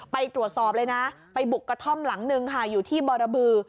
ไปตรวจสอบเลยนะไปบุกกระท่อมหลังนึงค่ะอยู่ที่บรบือ